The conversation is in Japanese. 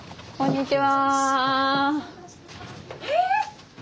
こんにちは。